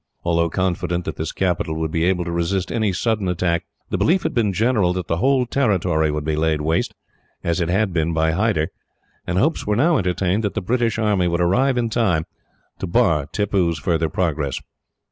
Although confident that this capital would be able to resist any sudden attack, the belief had been general that the whole territory would be laid waste, as it had been by Hyder; and hopes were now entertained that the British army would arrive in time to bar Tippoo's further progress.